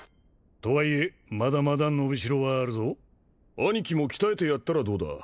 とはいえまだまだ伸びしろはあるぞ兄貴も鍛えてやったらどうだ？